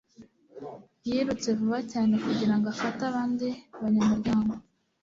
Yirutse vuba cyane kugira ngo afate abandi banyamuryango